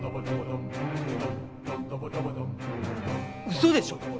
嘘でしょ！？